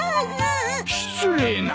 失礼な！